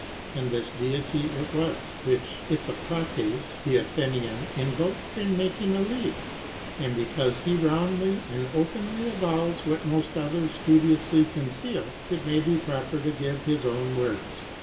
And this deity it was, which Iphicrates the Athenian invoked in making a league; and because he roundly and openly avows what most others studiously conceal, it may be proper to give his own words.